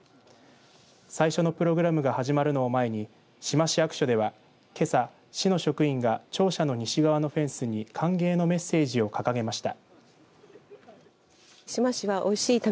最初のプログラムが始まるのを前に志摩市役所ではけさ市の職員が庁舎の西側のフェンスに歓迎のメッセージを掲げました。